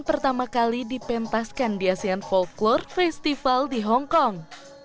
pertama kali dipentaskan di asean folklore festival di hong kong